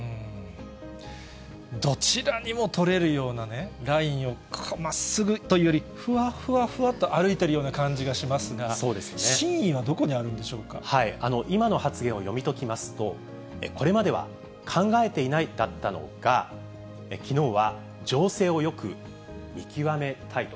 どちらにもとれるようなね、ラインをまっすぐというより、ふわふわふわと歩いているような感じがしますが、真意はどこにあ今の発言を読み解きますと、これまでは考えていないだったのが、きのうは、情勢をよく見極めたいと。